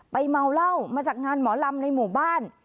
เมาเหล้ามาจากงานหมอลำในหมู่บ้าน